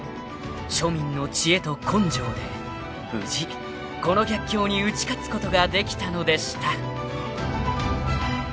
［庶民の知恵と根性で無事この逆境に打ち勝つことができたのでした］